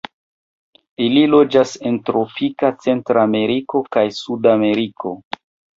Ili loĝas en tropika Centrameriko kaj Sudameriko.